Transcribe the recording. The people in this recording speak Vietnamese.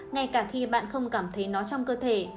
ngay cả khi bạn không cảm thấy nó trong cơ thể